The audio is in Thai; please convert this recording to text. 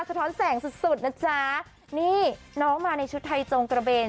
ท้อนแสงสุดสุดนะจ๊ะนี่น้องมาในชุดไทยจงกระเบน